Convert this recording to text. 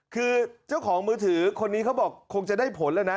คือเจ้าของมือถือคนนี้เขาบอกคงจะได้ผลแล้วนะ